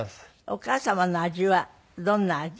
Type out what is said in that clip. お母様の味はどんな味？